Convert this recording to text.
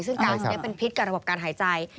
ซึ่งก๊าซนี้เป็นพิษกับระบบการหายใจ